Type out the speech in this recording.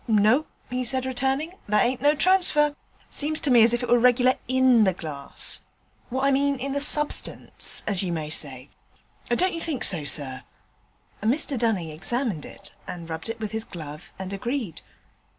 'No,' he said, returning, 'that ain't no transfer; seems to me as if it was reg'lar in the glass, what I mean in the substance, as you may say. Don't you think so, sir?' Mr Dunning examined it and rubbed it with his glove, and agreed.